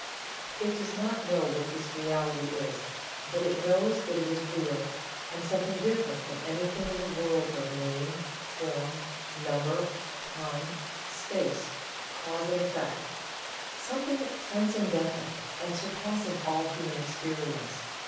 It does not know what this Reality is, but it knows that it is Real, and something different from anything in the world of name, form, number, time, space, cause and effect something Transcendental and surpassing all human experience.